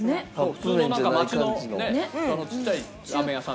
普通のなんか町のねちっちゃいラーメン屋さん。